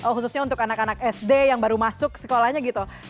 khususnya untuk anak anak sd yang baru masuk sekolahnya gitu